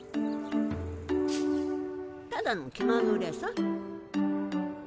ただの気まぐれさ。